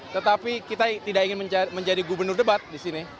tetapi kita tidak ingin menjadi gubernur debat disini